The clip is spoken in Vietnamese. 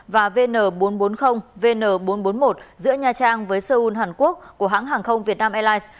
và vn bốn trăm bốn mươi vn bốn trăm bốn mươi một giữa nha trang với seoul hàn quốc của hãng hàng không việt nam airlines